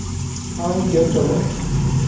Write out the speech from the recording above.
I Get Along